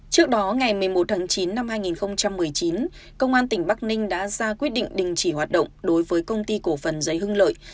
trước đó ngày một mươi một tháng chín năm hai nghìn một mươi chín công an tỉnh bắc ninh đã ra quyết định đình chỉ hoạt động đối với công ty cổ phần giấy hưng lợi